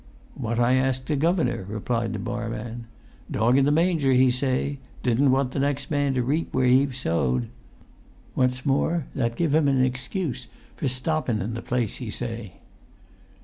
"What I asked the governor," replied the barman. "'Dog in the manger,' he say; 'didn't want the next man to reap where he've sowed. What's more, that give him an excuse for stoppun in the place,' he say."